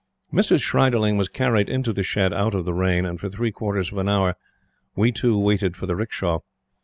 Mrs. Schreiderling was carried into the shed out of the rain, and for three quarters of an hour we two waited for the 'rickshaw.